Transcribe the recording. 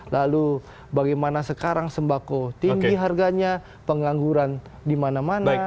lalu bagaimana sekarang sembako tinggi harganya pengangguran dimana mana